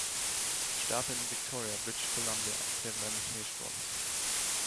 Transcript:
Er starb in Victoria, British Columbia, während eines Schneesturms.